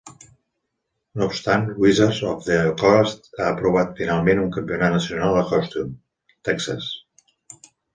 No obstant, Wizards of the Coast ha aprovat finalment un campionat nacional a Houston, Texas.